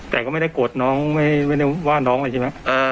แต่ก็ไม่ได้โกรธน้องไม่ได้ว่าน้องอะไรใช่ไหม